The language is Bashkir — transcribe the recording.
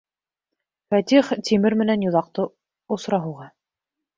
Фәтих тимер менән йоҙаҡты осора һуға.